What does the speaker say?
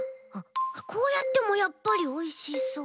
こうやってもやっぱりおいしそう。